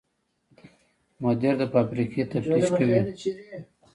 مدیر د فابریکې تفتیش کوي.